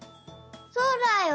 そうだよ。